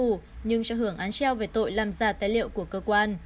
tù nhưng cho hưởng án treo về tội làm giả tài liệu của cơ quan